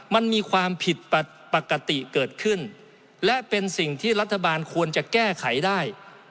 มันมีความผิดปกติเกิดขึ้นและเป็นสิ่งที่รัฐบาลควรจะแก้ไขได้